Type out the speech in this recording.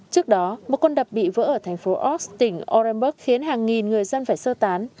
trước đó một con đập bị vỡ ở thành phố oks tỉnh orenburg khiến hàng nghìn người dân phải sơ tán